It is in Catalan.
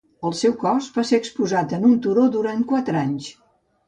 El seu cos va ser exposat en un turó durant quatre anys.